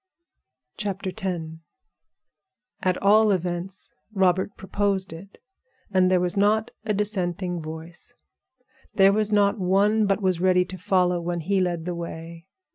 X At all events Robert proposed it, and there was not a dissenting voice. There was not one but was ready to follow when he led the way.